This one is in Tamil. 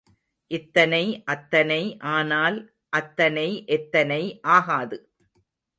இத்தனை அத்தனை ஆனால் அத்தனை எத்தனை ஆகாது?